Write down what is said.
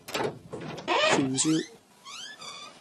串燒